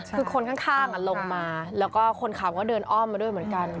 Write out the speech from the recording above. คือคนข้างลงมาแล้วก็คนขับก็เดินอ้อมมาด้วยเหมือนกัน